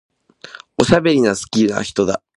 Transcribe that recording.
おしゃべり好きな人だ。